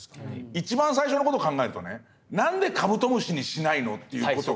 一番最初の事考えるとね何でカブトムシにしないのという事が。